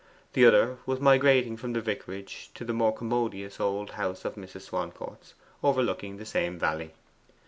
The other was migrating from the vicarage to the more commodious old house of Mrs. Swancourt's, overlooking the same valley.